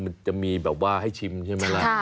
มันจะมีแบบว่าให้ชิมใช่ไหมล่ะ